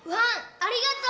ありがとう！